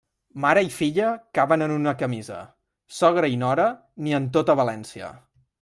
Mare i filla caben en una camisa; sogra i nora, ni en tota València.